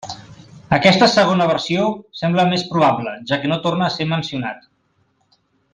Aquesta segona versió sembla més probable, ja que no torna a ser mencionat.